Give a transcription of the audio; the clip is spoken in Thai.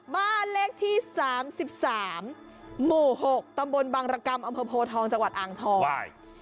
บ้านเลขที่๓๓หมู่๖ตำบลบังรกรรมอำเภอโพทองจังหวัดอ่างทอง